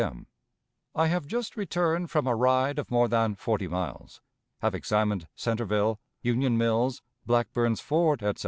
M. "I have just returned from a ride of more than forty miles. Have examined Centreville, Union Mills, Blackburn's Ford, etc.